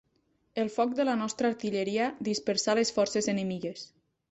El foc de la nostra artilleria dispersà les forces enemigues.